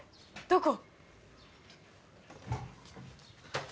どこ？